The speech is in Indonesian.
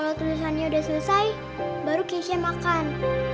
kalau tulisannya udah selesai baru cashnya makan